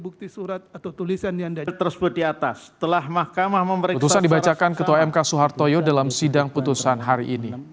ketutusan dibacakan ketua mk soehartojo dalam sidang putusan hari ini